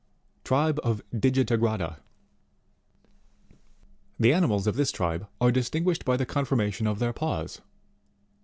Tribe of Digiligrada. 15. The animals of this tribe are distinguished by the confor mation of their paws.